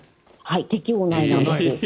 適用内なんです。